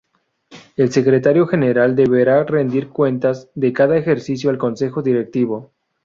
El Secretario General deberá rendir cuentas de cada ejercicio al Consejo Directivo.